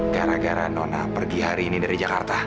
gara gara nona pergi hari ini dari jakarta